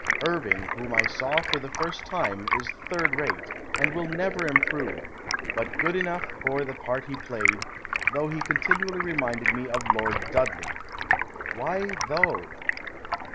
Irving whom I saw for the first time, is third rate, and never will improve, but good eno' for the part he played, tho' he con tinually reminded me of Lord Dudley. ..." Why " though